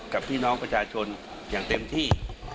กับพี่น้องประชาชนอย่างเต็มที่